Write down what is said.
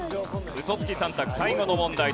ウソつき３択最後の問題です。